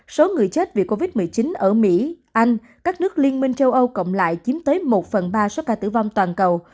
số người chết vì covid một mươi chín ở mỹ anh các nước liên minh châu âu cộng lại chiếm tới một phần ba số ca tử vong toàn cầu